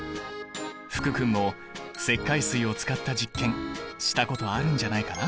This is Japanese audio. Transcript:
福君も石灰水を使った実験したことあるんじゃないかな？